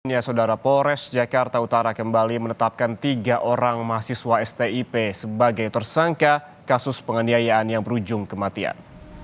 ya saudara polres jakarta utara kembali menetapkan tiga orang mahasiswa stip sebagai tersangka kasus penganiayaan yang berujung kematian